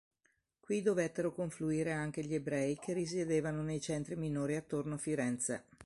Qui dovettero confluire anche gli ebrei che risiedevano nei centri minori attorno a Firenze.